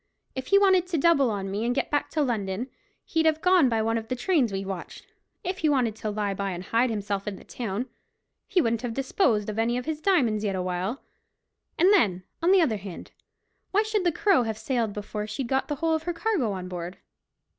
If he wanted to double on me and get back to London, he'd have gone by one of the trains we've watched; if he wanted to lie by and hide himself in the town, he wouldn't have disposed of any of his diamonds yet awhile—and then, on the other hand, why should the Crow have sailed before she'd got the whole of her cargo on board?